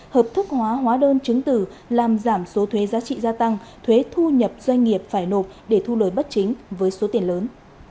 hợp thức hóa hóa đơn chứng tử làm giảm số thuế giá trị gia tăng thuế thu nhập doanh nghiệp phải nộp để thu lời bất chính với số tiền lớn